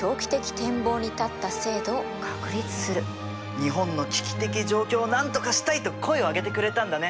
日本の危機的状況をなんとかしたい！と声を上げてくれたんだね。